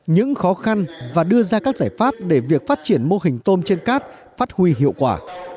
những khó khăn và đưa ra các giải pháp để việc phát triển mô hình tôm trên cát phát huy hiệu quả